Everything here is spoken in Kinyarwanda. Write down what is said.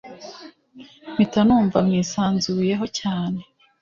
mpita numva mwisanzuyeho cyane.